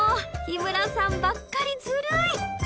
日村さんばっかりずるい！